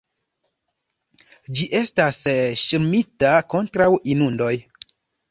Ĝi estas ŝirmita kontraŭ inundoj.